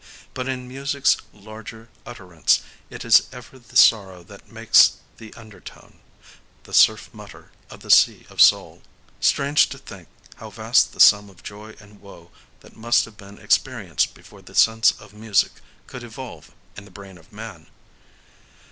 But in music's larger utterance it is ever the sorrow that makes the undertone,—the surf mutter of the Sea of Soul…. Strange to think how vast the sum of joy and woe that must have been experienced before the sense of music could evolve in the brain of man!